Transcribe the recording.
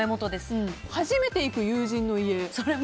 初めて行く友人の家は。